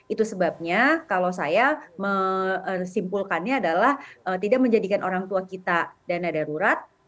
itu sebabnya kalau saya menyimpulkannya adalah tidak menjadikan orang tua kita dana darurat